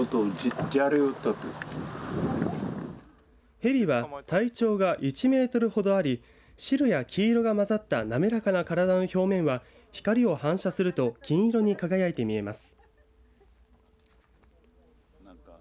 ヘビは体長が１メートルほどあり白や黄色がまざったなめらかな体の表面は光を反射すると金色に輝いて見えます。